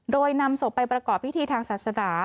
โดยนำศพไปประกอบพิธีทางศาสนา